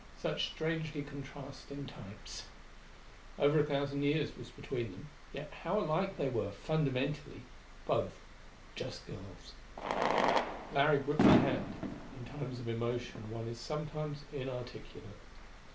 Such strangely contrasting types! Over a thousand years was between them, yet how alike they were, fundamentally. Both just girls. Larry gripped my hand. In times of emotion one is sometimes inarticulate.